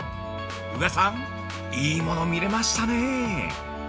宇賀さん、いいもの見れましたね！